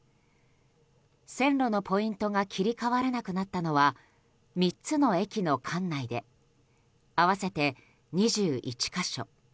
線路のポイントが切り替わらなくなったのは３つの駅の構内で合わせて２１か所。